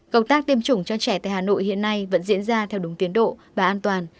công tác tiêm chủng cho trẻ tại hà nội hiện nay vẫn diễn ra theo đúng tiến độ và an toàn